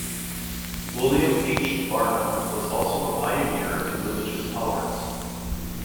William H. Barnum was also a pioneer in religious tolerance.